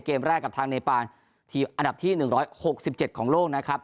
เกมแรกกับทางเนปานอันดับที่หนึ่งร้อยหกสิบเจ็ดของโลกนะครับ